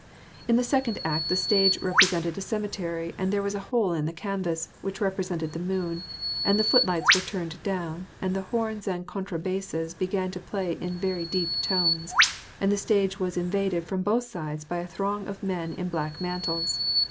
In the second act the stage represented a cemetery, and there was a hole in the canvas, which represented the moon, and the footlights were turned down, and the horns and contra basses began to play in very deep tones, and the stage was in vaded from both sides by a throng of men in black mantles.